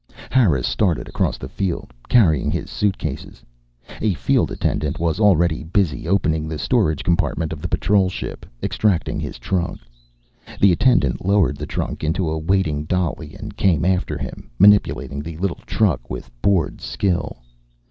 Harris started across the field, carrying his suitcases. A field attendant was already busy opening the storage compartment of the patrol ship, extracting his trunk. The attendant lowered the trunk into a waiting dolly and came after him, manipulating the little truck with bored skill.